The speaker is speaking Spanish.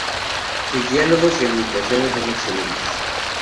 Sus diálogos y ambientaciones son excelentes.